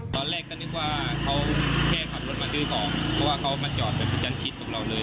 ตอนแรกก็นึกว่าเขาแค่ขับรถมาซื้อของเพราะว่าเขามาจอดแบบประจำคิดกับเราเลย